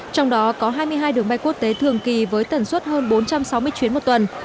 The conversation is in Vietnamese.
trong đó có hai mươi hai đường bay quốc tế thường kỳ với tần suất hơn bốn trăm sáu mươi chuyến một tuần